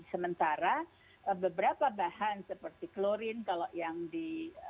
sementara beberapa bahan seperti klorin kalau yang di